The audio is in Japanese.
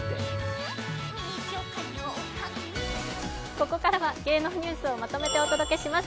ここからは芸能ニュースをまとめてお届けします